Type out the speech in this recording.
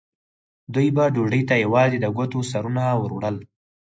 دوی به ډوډۍ ته یوازې د ګوتو سرونه وروړل.